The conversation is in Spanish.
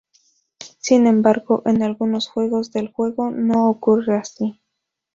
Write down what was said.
Sin embargo, en algunos juegos del juego no ocurre así.